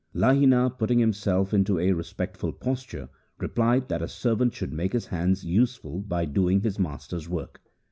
Lahina, putting himself into a respectful posture, replied that a servant should make his hands useful by doing his master's work.